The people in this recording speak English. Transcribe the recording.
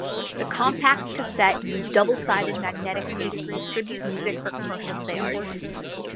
The compact cassette used double-sided magnetic tape to distribute music for commercial sale.